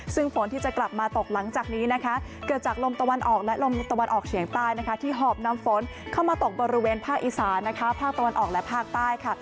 ซึ่งฝนที่จะกลับมาตกหลังจากนี้นะคะเกิดจากลมตะวันออกและลมตะวันออกเฉียงใต้นะคะที่หอบนำฝนเข้ามาตกบริเวณภาคอีสานนะคะภาคตะวันออกและภาคใต้ค่ะ